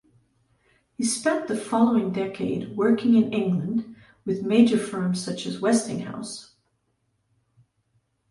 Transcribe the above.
He spent the following decade working in England with major firms such as Westinghouse.